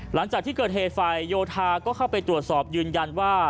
หลังจากที่เกิดเหตุฝ่ายโยธาก็เข้าไปตรวจสอบยืนยันว่า